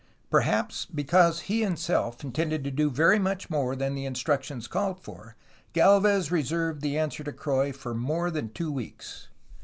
Perhaps because he himself intended to do very much more than the instructions called for, Gdlvez reserved his answer to Croix for more than two weeks.